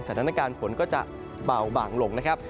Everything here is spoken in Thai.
สถานการณ์ฝนก็จะเบาบางลงนะครับ